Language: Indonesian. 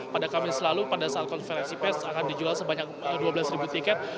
pada kamis lalu pada saat konferensi pes akan dijual sebanyak dua belas tiket